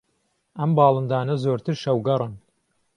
ئەم باڵندانە زۆرتر شەوگەڕن